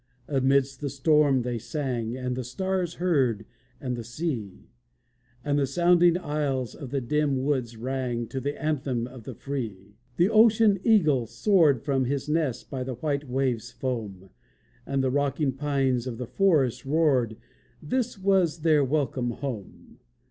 Amidst the storm they sang, And the stars heard, and the sea; And the sounding aisles of the dim woods rang To the anthem of the free! The ocean eagle soared From his nest by the white wave's foam, And the rocking pines of the forest roared: This was their welcome home!